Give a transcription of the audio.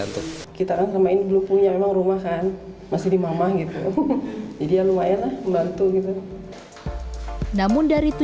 kita kan semakin belum punya rumah kan masih dimamah gitu jadi ya lumayan lah membantu gitu